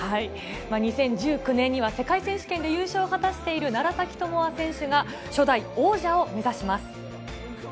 ２０１９年には世界選手権で優勝を果たしている楢崎智亜選手が初代王者を目指します。